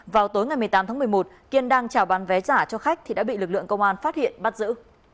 vào tối ngày một mươi tám tháng một mươi một kiên đang trào bán vé giả cho khách thì đã bị lực lượng công an phát hiện bắt giữ